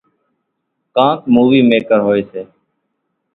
ڪانڪ مُووِي ميڪر هوئيَ سي۔